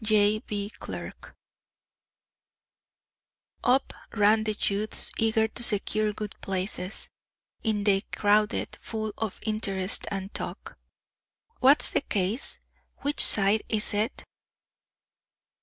J. B., Clerk" Up ran the youths, eager to secure good places; in they crowded, full of interest and talk. "What's the case? Which side is it?"